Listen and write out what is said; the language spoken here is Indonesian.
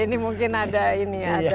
ini mungkin ada ini